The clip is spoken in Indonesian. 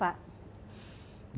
ya harapan saya ke sepuluh